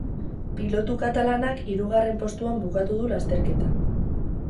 Pilotu katalanak hirugarren postuan bukatu du lasterketa.